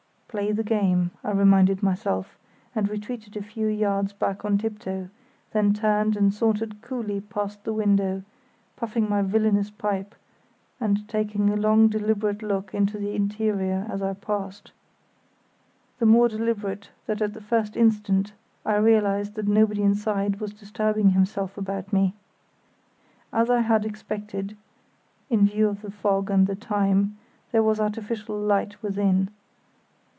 "Play the game," I reminded myself, and retreated a few yards back on tiptoe, then turned and sauntered coolly past the window, puffing my villainous pipe and taking a long deliberate look into the interior as I passed—the more deliberate that at the first instant I realised that nobody inside was disturbing himself about me. As I had expected (in view of the fog and the time) there was artificial light within.